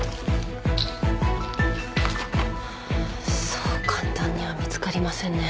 そう簡単には見つかりませんね。